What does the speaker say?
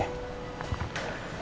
gue punya tanggung jawab juga sih